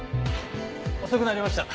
遅くなりました。